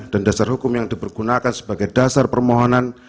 dan dasar hukum yang dipergunakan sebagai dasar permohonan